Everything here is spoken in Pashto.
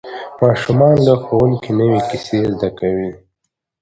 ماشومان له ښوونکي نوې کیسې زده کوي